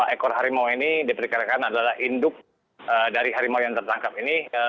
dua ekor harimau ini diperkirakan adalah induk dari harimau yang tertangkap ini